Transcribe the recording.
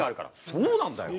そうなんだよ。